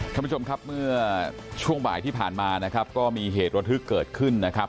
ท่านผู้ชมครับเมื่อช่วงบ่ายที่ผ่านมานะครับก็มีเหตุระทึกเกิดขึ้นนะครับ